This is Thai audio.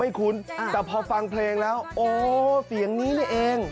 คุ้นแต่พอฟังเพลงแล้วโอ้เสียงนี้เลยเอง